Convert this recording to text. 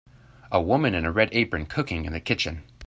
A woman in a red apron cooking in the kitchen.